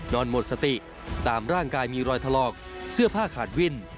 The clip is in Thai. หมดสติตามร่างกายมีรอยถลอกเสื้อผ้าขาดวิ่น